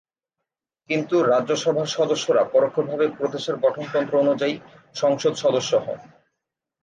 কিন্তু রাজ্যসভার সদস্যরা পরোক্ষভাবে প্রদেশের গঠনতন্ত্র অনুযায়ী সংসদ সদস্য হন।